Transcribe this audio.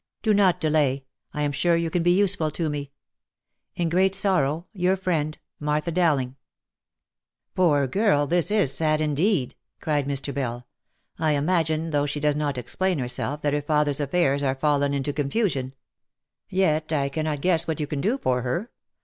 Do not delay, I am sure you can be useful to me. "' In great sorrow, your friend, " 'Martha Dowling."' 344 THE LIFE AND ADVENTURES " Poor girl ! This is sad indeed \' f cried Mr. Bell. " I imagine, though she does not explain herself, that her father's affairs are fallen into confusion. Yet I cannot guess what you can do for her.